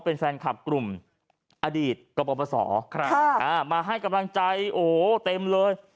เป็นแฟนคลับกลุ่มอดีตกรปศมาให้กำลังใจโอ้โหเต็มเลย